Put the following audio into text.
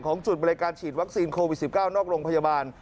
จุดบริการฉีดวัคซีนโควิด๑๙นอกโรงพยาบาล